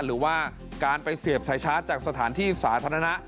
หรือว่าการไปเสียบสายชาร์จจากสถานที่สาธารณะ